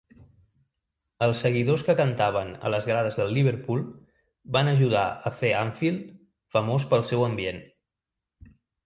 Els seguidors que cantaven a les grades del Liverpool van ajudar a fer Anfield famós pel seu ambient.